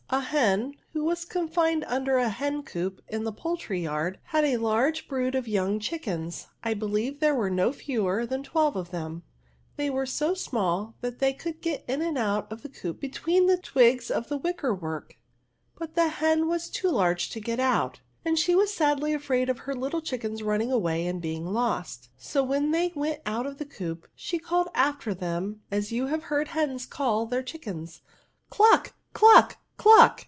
A hen who was confined under a hen coop in a poultry yard, had a lai^e brood of young chickens; I believe there were no fewer than twelve of them : they were so small that they could get in and out of the coop between the twigs of the wicker work, but the hen was too large to get out ; and she was sadly afiraid of her little chickens running away and being lost. So, when they went out of the coop she called after them as you have heard hens call their chickens ; cluck! cluck! cluck